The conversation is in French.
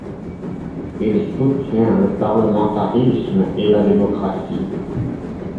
Il soutient le parlementarisme et la démocratie.